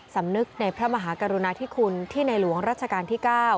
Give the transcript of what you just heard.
สำนึกในพระมหากรุณาธิคุณที่ในหลวงรัชกาลที่๙